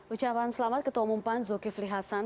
ucapan selamat ketua umum pan zulkifli hasan